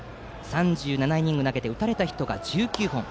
３７イニング投げて打たれたヒットが１９本。